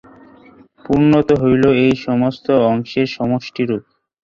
পূর্ণত্ব হইল এই সমস্ত অংশের সমষ্টিরূপ।